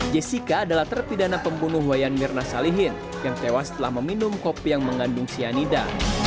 jessica adalah terpidana pembunuh wayan mirna salihin yang tewas setelah meminum kopi yang mengandung cyanida